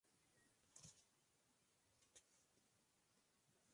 Se enfrentaron por primera vez unidos contra las autoridades.